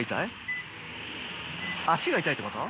足が痛いってこと？